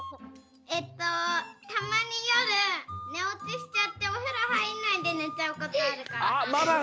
えっとたまによるねおちしちゃっておふろはいんないでねちゃうことあるから！